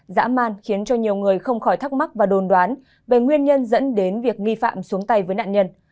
dã man khiến cho nhiều người không khỏi thắc mắc và đồn đoán về nguyên nhân dẫn đến việc nghi phạm xuống tay với nạn nhân